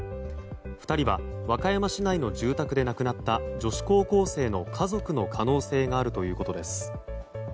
２人は和歌山市内の住宅で亡くなった女子高校生の家族の可能性があるということです。